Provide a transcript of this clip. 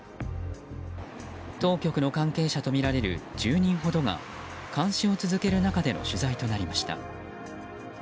当局の関係者とみられる１０人ほどが監視を続ける中での取材となりました。